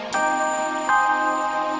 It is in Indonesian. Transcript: aku akan mendamatkanku